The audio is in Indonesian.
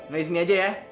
nggak disini aja ya